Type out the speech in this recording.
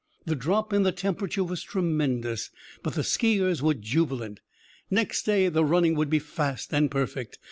The drop in the temperature was tremendous, but the ski ers were jubilant. Next day the "running" would be fast and perfect.